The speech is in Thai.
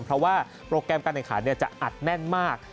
เพราะว่าโปรแกรมการแข่งขันจะอัดแน่นมาก